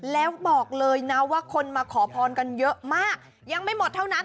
แล้วบอกเลยนะว่าคนมาขอพรกันเยอะมากยังไม่หมดเท่านั้น